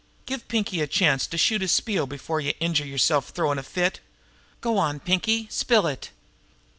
"Give Pinkie a chance to shoot his spiel before youse injure yerself throwin' a fit! Go on, Pinkie, spill it."